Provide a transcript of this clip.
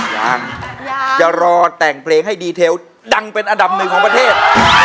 ยังจะรอแต่งเพลงให้ดีเทลดังเป็นอันดับหนึ่งของประเทศ